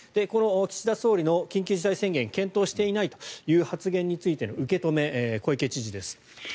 この岸田総理の緊急事態宣言検討していないという発言に対して小池知事です。